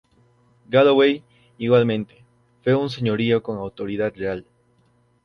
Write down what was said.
Galloway, igualmente, fue un señorío con una autoridad real.